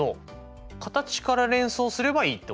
形から連想すればいいってことですね。